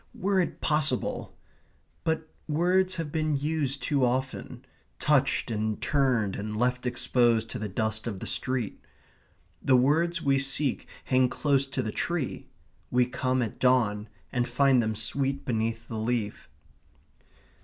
Were it possible! But words have been used too often; touched and turned, and left exposed to the dust of the street. The words we seek hang close to the tree. We come at dawn and find them sweet beneath the leaf.